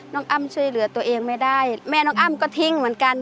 อ้ำช่วยเหลือตัวเองไม่ได้แม่น้องอ้ำก็ทิ้งเหมือนกัน